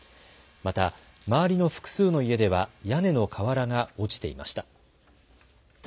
また周りの複数の家では屋根の瓦が落ちていました。